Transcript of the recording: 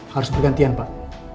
harus bergantian pak